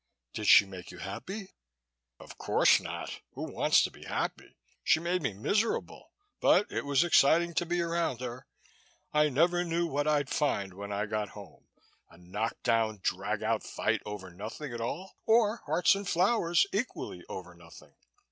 "Did she make you happy?" "Of course not! Who wants to be happy? She made me miserable, but it was exciting to be around her. I never knew what I'd find when I got home a knockdown drag out fight over nothing at all or hearts and flowers equally over nothing."